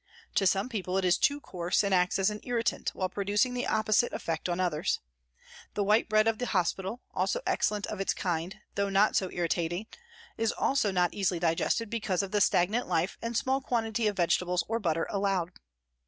To some people it is too coarse and acts as an irritant, while producing the opposite effect on others. The white bread of the hospital, also excellent of its land, though not so irritating, is also not easily digested because of the stagnant life and small quantity of vegetables or butter allowed.